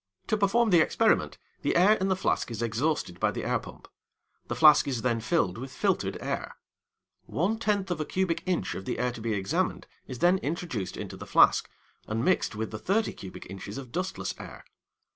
To perform the experiment, the air in the flask is exhausted by the air pump. The flask is then filled with filtered air. One tenth of a cubic inch of the air to be examined is then introduced into the flask, and mixed with the 30 cubic inches of dustless air.